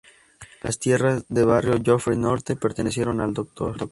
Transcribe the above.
Las tierras de Barrio Yofre Norte pertenecieron al Dr.